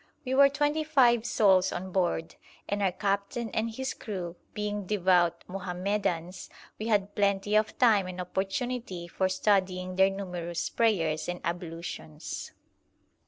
We were twenty five souls on board, and our captain and his crew being devout Mohammedans, we had plenty of time and opportunity for studying their numerous prayers and ablutions.